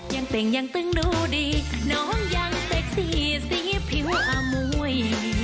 ยังเต่งยังตึงดูดีน้องยังเซ็กซี่สีสีผิวอมวย